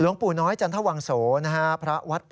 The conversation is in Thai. หลวงปูน้อยจรรษะวังโสนะฮะ